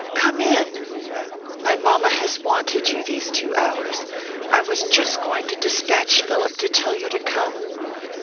Come in. My mamma has wanted you these two hours. I was just going to despatch Philip to tell you to come."